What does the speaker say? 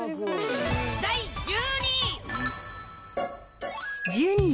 第１２位。